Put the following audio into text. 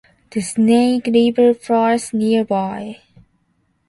The Snake River flows nearby.